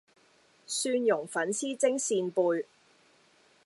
蒜蓉粉絲蒸扇貝